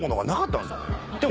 「でも」